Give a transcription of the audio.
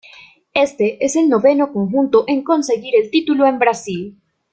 Éste es el noveno conjunto en conseguir el título en Brasil.